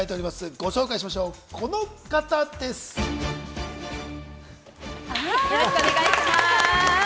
ご紹介しましょよろしくお願いします。